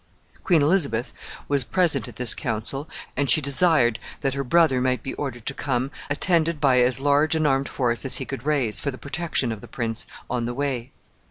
Queen Elizabeth was present at this council, and she desired that her brother might be ordered to come attended by as large an armed force as he could raise, for the protection of the prince on the way.